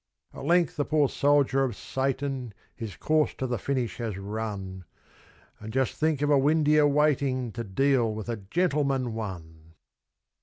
At length the poor soldier of Satan His course to a finish has run And just think of Windeyer waiting To deal with "A Gentleman, One"!